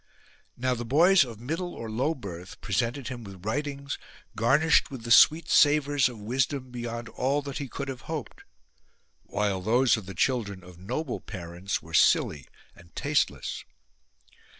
Now the boys of middle or low birth presented him with writings garnished with the sweet savours of wisdom beyond all that he could have hoped, while those of the children of noble parents were silly and tasteless.